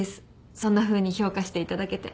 そんなふうに評価していただけて。